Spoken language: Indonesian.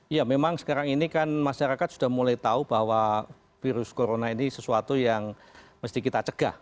ya memang sekarang ini kan masyarakat sudah mulai tahu bahwa virus corona ini sesuatu yang mesti kita cegah